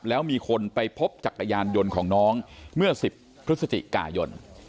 แล้วมีคนไปพบจักรยานยนต์ของน้องเมื่อ๑๐พฤศจิกายน